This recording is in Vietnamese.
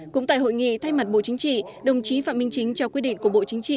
cũng tại hội nghị thay mặt bộ chính trị đồng chí phạm minh chính trao quyết định của bộ chính trị